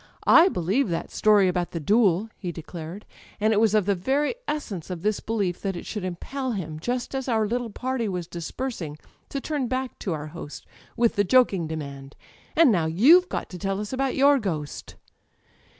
I be lieve that story about the duel!" he declared; and it was of the very essence of this belief that it should impel him â€" ^just as our little party was dispersing â€" ^to turn back to our host with the joking demand: "And now youVe got to tell us about your ghost!"